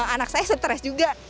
anak saya stres juga